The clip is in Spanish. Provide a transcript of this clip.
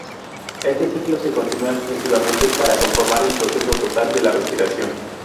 Este ciclo se continúa sucesivamente para conformar el proceso total de la respiración.